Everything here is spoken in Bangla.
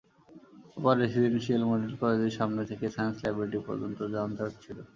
আবার রেসিডেনসিয়াল মডেল কলেজের সামনে থেকে সায়েন্স ল্যাবরেটরি পর্যন্ত যানজট ছিল।